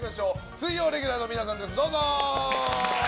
水曜レギュラーの皆さんです。